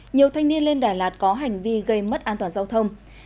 nhiều thanh niên lên đà lạt có hành vi gây mất an toàn giao thông